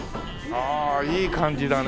ああいい感じだね。